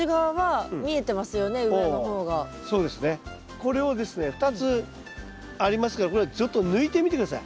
これをですね２つありますからこれをちょっと抜いてみて下さい。